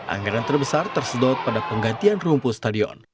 anggaran terbesar tersedot pada penggantian rumput stadion